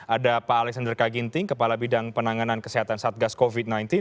ada pak alexander kaginting kepala bidang penanganan kesehatan satgas covid sembilan belas